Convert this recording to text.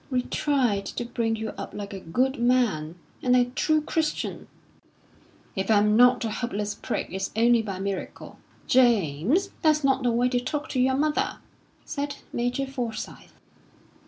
"We tried to bring you up like a good man, and a true Christian." "If I'm not a hopeless prig, it's only by miracle." "James, that's not the way to talk to your mother," said Major Forsyth.